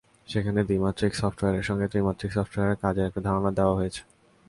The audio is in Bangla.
সেখানে দ্বিমাত্রিক সফটওয়্যারের সঙ্গে ত্রিমাত্রিক সফটওয়্যারে কাজের একটা ধারণা দেওয়া হয়েছে।